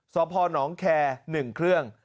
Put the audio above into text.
สพนแคร์๑เครื่อง